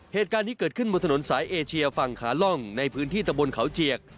เหตุการณ์นี้เกิดขึ้นบนถนนสายเอเชียฝั่งขาล่องในพื้นที่ตะบนเขาเจียก